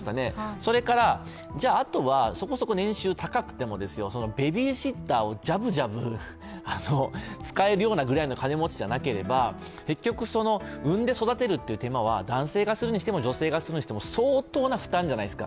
それから、そこそこ年収が高くてもベビーシッターをジャブジャブ使えるようなくらいの金持ちじゃなければ結局、産んで育てるという手間は男性がするにしても女性がするにしても相当な負担じゃないですか。